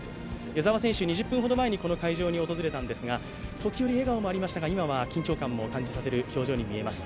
矢澤選手、２０分ほど前にこの会場に訪れたんですが、時折笑顔もありましたが、今は緊張感も感じさせる表情に見えます。